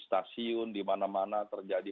stasiun di mana mana terjadi